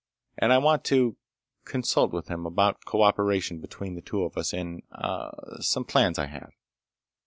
And I want to—consult with him about co operation between the two of us in ... ah ... some plans I have.